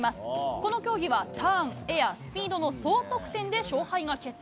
この競技はターン、エア、スピードの総得点で勝敗が決定。